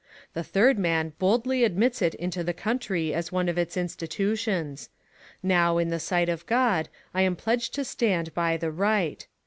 The third man boldly admits it into the country as one of its institutions. Now, in the sight of God, I am pledged to stand by the right.